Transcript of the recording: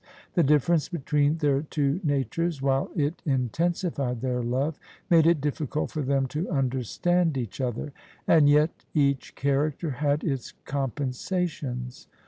The difference between their two natures, while it intensified their love, made it difficult for them to understand each other: and yet each character had its com pensations.